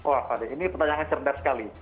wah fadil ini pertanyaan yang serendah sekali